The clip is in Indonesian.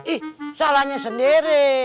ih salahnya sendiri